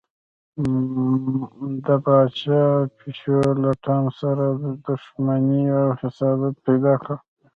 د پاچا پیشو له ټام سره دښمني او حسادت پیدا کړ.